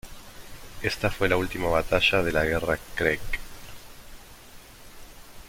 Esta fue la última batalla de la guerra creek.